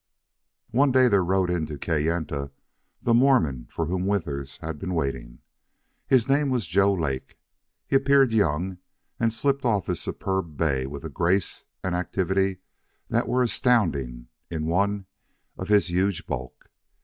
One day there rode into Kayenta the Mormon for whom Withers had been waiting. His name was Joe Lake. He appeared young, and slipped off his superb bay with a grace and activity that were astounding in one of his huge bulk.